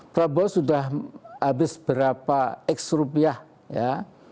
prabowo sudah habis berapa x rupiah ya